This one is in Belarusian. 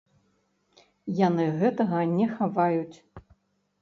Яны гэтага не хаваюць.